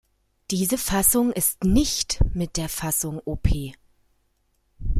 Diese Fassung ist "nicht" mit der Fassung op.